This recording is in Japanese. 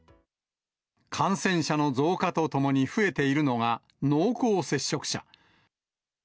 感染者の増加とともに増えているのが、濃厚接触者。